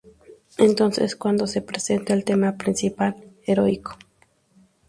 Entonces es cuando se presenta el tema principal, heroico.